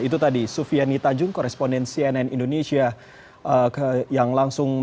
itu tadi sufiani tajung korespondensi nn indonesia